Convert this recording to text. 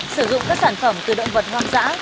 sử dụng các sản phẩm từ động vật hoang dã